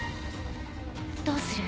どうする？